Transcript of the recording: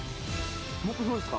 目標ですか？